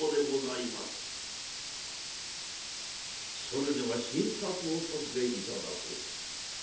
「それでは診察をさせて頂こう」。